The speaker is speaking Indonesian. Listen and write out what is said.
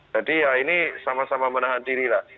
jadi ya ini sama sama menahan diri lah